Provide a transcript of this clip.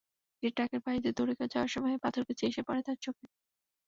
একটি ট্রাকের পাশ দিয়ে দৌড়ে যাওয়ার সময় পাথরকুচি এসে পড়ে তাঁর চোখে।